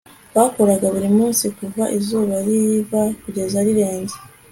bakoraga buri munsi kuva izuba riva kugeza rirenze